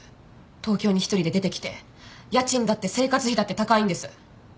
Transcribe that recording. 東京に１人で出てきて家賃だって生活費だって高いんです。